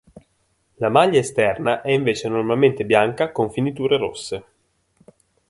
La maglia esterna è invece normalmente bianca con finiture rosse.